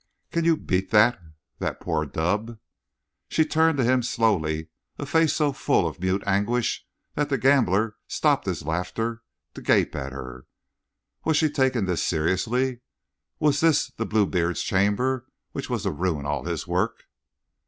"Can you beat that? That poor dub!" She turned to him, slowly, a face so full of mute anguish that the gambler stopped his laughter to gape at her. Was she taking this seriously? Was this the Bluebeard's chamber which was to ruin all his work?